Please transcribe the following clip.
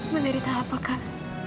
menderita apa kak